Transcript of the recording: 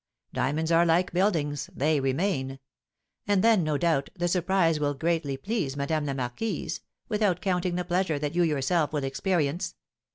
Diamonds are like buildings, they remain. And then, no doubt, the surprise will greatly please Madame la Marquise, without counting the pleasure that you yourself will experience.